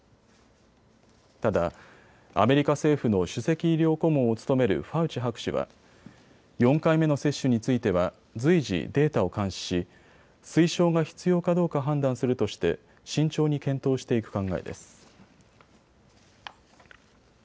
ただ、アメリカ政府の首席医療顧問を務めるファウチ博士は４回目の接種については随時、データを監視し推奨が必要かどうか判断するとして慎重に検討していく考えです。